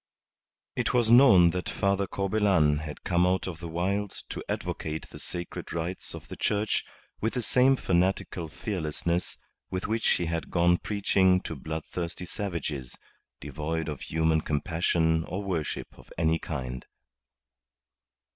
It was known that Father Corbelan had come out of the wilds to advocate the sacred rights of the Church with the same fanatical fearlessness with which he had gone preaching to bloodthirsty savages, devoid of human compassion or worship of any kind.